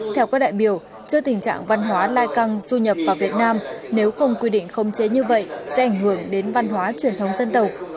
theo các đại biểu trước tình trạng văn hóa lai căng du nhập vào việt nam nếu không quy định không chế như vậy sẽ ảnh hưởng đến văn hóa truyền thống dân tộc